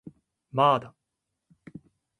まーだ